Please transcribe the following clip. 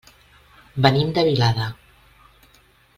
Venim de Vilada.